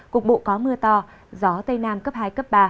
cục bộ có mưa to gió tây nam cấp hai cấp ba